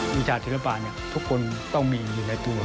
วิชาศิลปะทุกคนต้องมีอยู่ในตัว